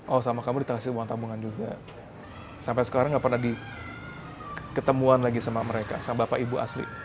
oh sama kamu ditabungin uang tambungan juga sampai sekarang enggak pernah diketemuan lagi sama mereka sama bapak ibu asli